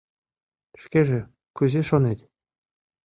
Шкеже кузе шонет?